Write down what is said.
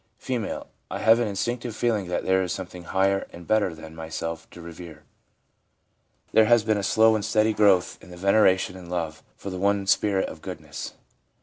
' I have an instinctive feeling that there is something higher and better than myself to revere. There has been a slow and steady growth in veneration and love for the one Spirit of Goodness/ M.